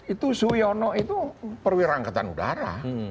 itu suyono itu perwira angkatan udara